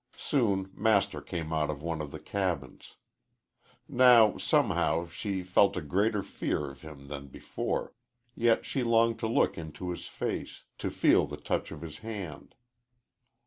Soon Master came out of one of the cabins. Now, somehow, she felt a greater fear of him than before, yet she longed to look into his face to feel the touch of his hand.